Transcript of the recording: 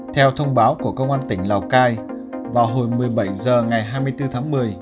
theo thông báo của công an tỉnh lào cai vào hồi một mươi bảy h ngày hai mươi bốn tháng một mươi